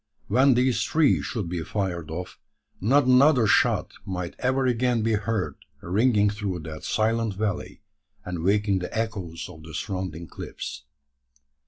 When these three should be fired off, not another shot might ever again be heard ringing through that silent valley, and waking the echoes of the surrounding cliffs.